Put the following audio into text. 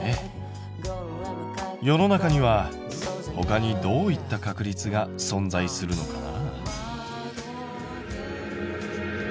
世の中にはほかにどういった確率が存在するのかな？